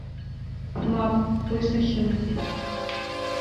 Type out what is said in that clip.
Мап, уи сахьымӡеит.